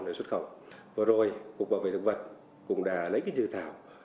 vừa rồi cục bảo vệ thực vật cũng đã lấy dự thảo